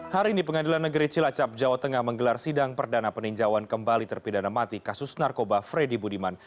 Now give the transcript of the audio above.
hari ini pengadilan negeri cilacap jawa tengah menggelar sidang perdana peninjauan kembali terpidana mati kasus narkoba freddy budiman